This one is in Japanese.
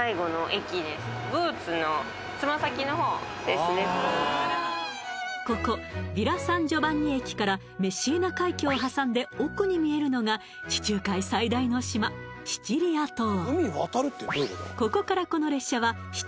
列車はここヴィラ・サン・ジョバンニ駅からメッシーナ海峡を挟んで奥に見えるのが地中海最大の島シチリア島